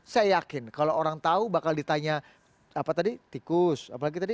saya yakin kalau orang tahu bakal ditanya apa tadi tikus apalagi tadi